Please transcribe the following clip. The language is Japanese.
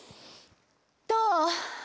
どう？